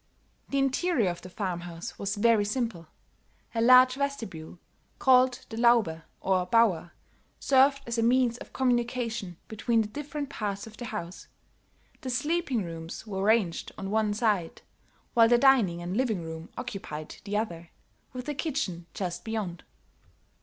The interior of the farm house was very simple; a large vestibule called the Laube or bower served as a means of communication between the different parts of the house; the sleeping rooms were ranged on one side, while the dining and living room occupied the other, with the kitchen just beyond.